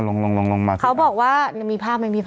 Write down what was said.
มันก็ไม่ต้องเป็นแล้วแม่สถานะแบบไม่ต้องมีสถานะอืมไม่รู้อ่ะ